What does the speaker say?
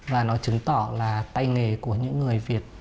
và nó chứng tỏ là tay nghề của những người việt